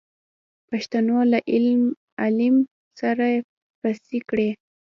پښتنو له عليم سره پڅې کړې.